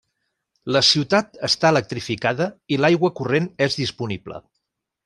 La ciutat està electrificada i l'aigua corrent és disponible.